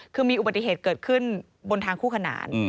คือมีอุบัติเหตุเกิดขึ้นบนทางคู่ขนาน